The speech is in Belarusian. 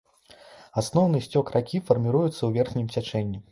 Асноўны сцёк ракі фарміруецца ў верхнім цячэнні.